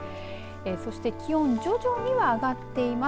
そして気温徐々には上がっています。